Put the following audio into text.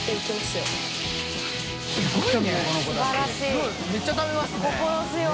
すごいめっちゃ食べますね心強い。